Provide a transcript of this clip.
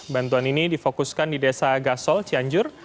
bantuan ini difokuskan di desa gasol cianjur